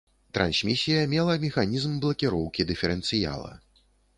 Трансмісія мела механізм блакіроўкі дыферэнцыяла.